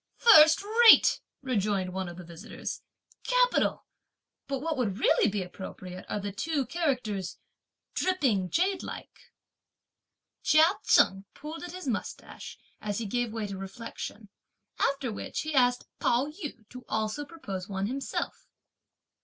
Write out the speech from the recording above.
"First rate!" rejoined one of the visitors, "capital! but what would really be appropriate are the two characters 'dripping jadelike.'" Chia Chen pulled at his moustache, as he gave way to reflection; after which, he asked Pao yü to also propose one himself.